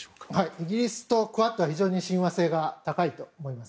イギリスとクアッドは非常に親和性が高いと思います。